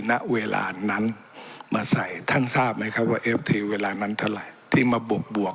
ณเวลานั้นมาใส่ท่านทราบไหมครับว่าเอฟทีเวลานั้นเท่าไหร่ที่มาบวก